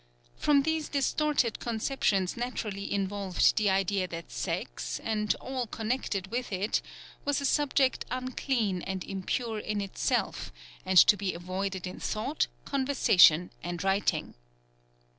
From these distorted conceptions naturally evolved the idea that sex, and all connected with it, was a subject unclean and impure in itself, and to be avoided in thought, conversation and writing.